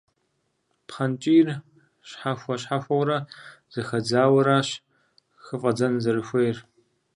Пхъэнкӏийр, щхьэхуэ-щхьэхуэурэ зэхэдзаурэщ хыфӏэдзэн зэрыхуейр.